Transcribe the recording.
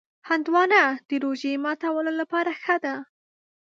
هندوانه د روژې ماتولو لپاره ښه ده.